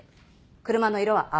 車の色は青。